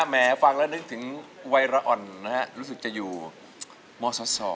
แม้ฟังแล้วนึกถึงวัยละอ่อนนะฮะรู้สึกจะอยู่มศ๒